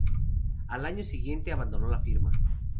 Al año siguiente abandonó la firma.